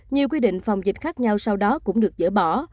nhiều quy định phòng dịch khác nhau sau đó cũng được dỡ bỏ